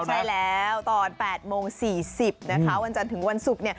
ใช่แล้วตอน๘โมง๔๐นะคะวันจันทร์ถึงวันศุกร์